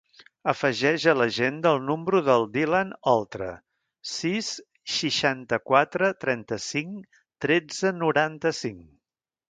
Afegeix a l'agenda el número del Dylan Oltra: sis, seixanta-quatre, trenta-cinc, tretze, noranta-cinc.